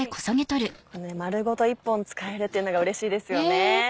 丸ごと１本使えるっていうのがうれしいですよね。